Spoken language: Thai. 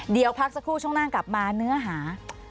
เดี๋ยวพักสักครู่ช่วงหน้ากลับมาเนื้อหา